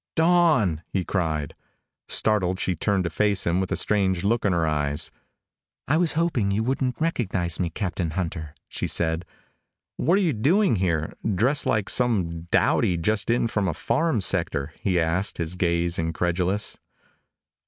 "Dawn!" he cried. Startled, she turned to face him with a strange look in her eyes. "I was hoping you wouldn't recognize me, Captain Hunter," she said. "What are you doing here dressed like some dowdy just in from a farm sector?" he asked, his gaze incredulous.